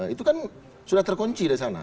itu kan sudah terkunci dari sana